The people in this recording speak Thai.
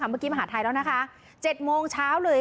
เมื่อกี้มหาดไทยแล้วนะคะ๗โมงเช้าเลย